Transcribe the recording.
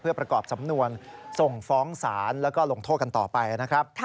เพื่อประกอบสำนวนส่งฟ้องศาลแล้วก็ลงโทษกันต่อไปนะครับ